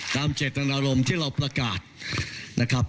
เจตนารมณ์ที่เราประกาศนะครับ